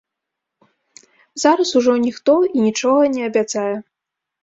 Зараз ужо ніхто і нічога не абяцае.